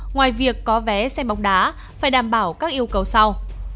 ngoài việc có vé xem bóng đá phải đảm bảo các yêu cầu sau